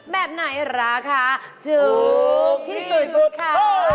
แบบไหนราคาถูกที่สุดคะ